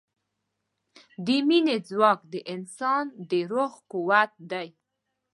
د مینې ځواک د انسان د روح قوت دی.